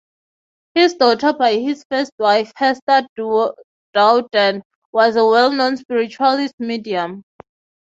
His daughter by his first wife, Hester Dowden, was a well-known spiritualist medium.